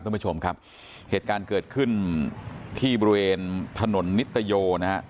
ท่านผู้ชมครับเหตุการณ์เกิดขึ้นที่บริเวณถนนนิตโยนะฮะ